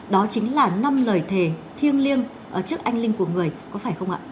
đó chính là năm lời thề thiêng liêng trước anh linh của người có phải không ạ